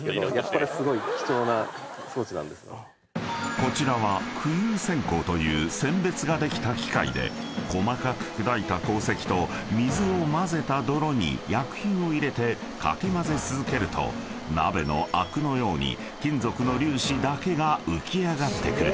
［こちらは浮遊選鉱という選別ができた機械で細かく砕いた鉱石と水を混ぜた泥に薬品を入れてかき混ぜ続けると鍋のあくのように金属の粒子だけが浮き上がってくる］